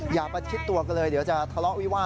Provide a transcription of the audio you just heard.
อย่าประชิดตัวกันเลยเดี๋ยวจะทะเลาะวิวาส